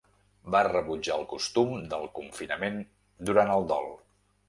Va rebutjar el costum del confinament durant el dol.